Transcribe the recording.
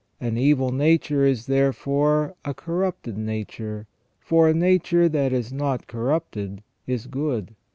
An evil nature is therefore a corrupted nature, for a nature that is not corrupted is good.